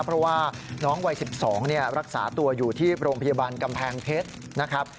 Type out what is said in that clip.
เพราะว่าน้องวัย๑๒รักษาตัวอยู่ที่โรงพยาบาลกำแพงเพชรนะครับ